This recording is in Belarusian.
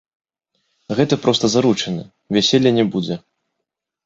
Гэта проста заручыны, вяселля не будзе.